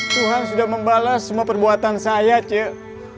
tuhan sudah membalas semua perbuatan saya cek